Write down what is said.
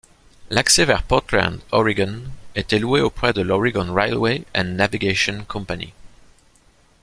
L'accès vers Portland, Oregon était loué auprès de l'Oregon Railway and Navigation Company.